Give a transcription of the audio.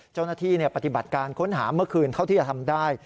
เจ้าหน้าที่ปฏิบัติการค้นหาเมื่อคืนเขาที่จะทำได้